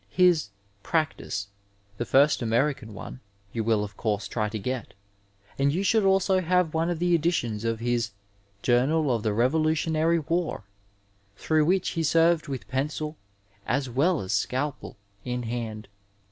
His Practice^ the first American cme, you will, of course, try to get, and you should also have one of the editions of his Journal of the RevohUionary Wofy through which he served with pencil, as well as scalpel, in hand.